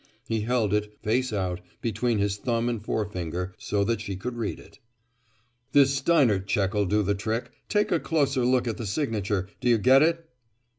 He held it, face out, between his thumb and forefinger, so that she could read it. "This Steinert check'll do the trick. Take a closer look at the signature. Do you get it?"